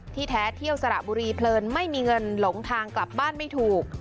แท้เที่ยวสระบุรีเพลินไม่มีเงินหลงทางกลับบ้านไม่ถูก